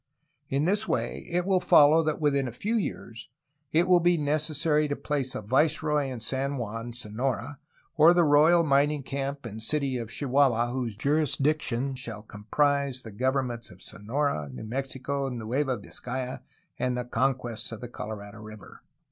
In this way it will follow that within a few years it will be necessary to place a viceroy in San Juan, Sonora, or the royal mining camp and city of Chihuahua whose jurisdiction shall comprise the gov ernments of Sonora, New Mexico, Nueva Vizcaya, and the con quests of the Colorado River.